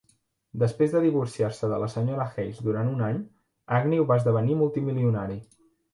Després de divorciar-se de la Sra. Hayes durant un any, Agnew va esdevenir multimilionari.